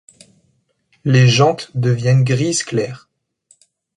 Les jantes deviennent grises clair.